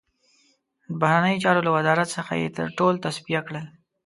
د بهرنیو چارو له وزارت څخه یې ټول تصفیه کړل.